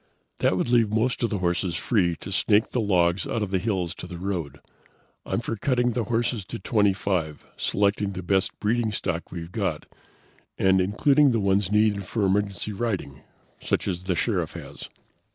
"This would leave most of the horses free to snake the logs out of the hills to the road. I'm for cutting the horses to twenty five, selecting the best breeding stock we've got, and including the ones needed for emergency riding, such as the Sheriff has."